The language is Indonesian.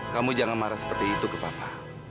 kamu jangan marah seperti itu ke papa